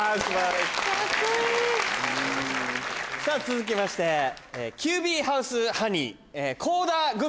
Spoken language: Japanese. さぁ続きまして「ＱＢハウスハニー」